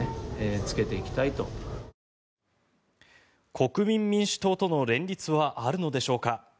国民民主党との連立はあるのでしょうか。